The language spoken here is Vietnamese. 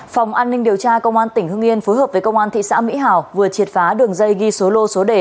phòng an ninh điều tra công an tỉnh hưng yên phối hợp với công an thị xã mỹ hào vừa triệt phá đường dây ghi số lô số đề